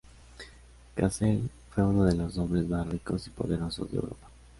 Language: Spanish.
Cassel fue uno de los hombres más ricos y poderosos de Europa.